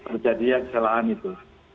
kejadian kesalahan itu